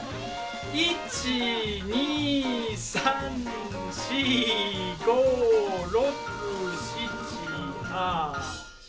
１２３４５６７８。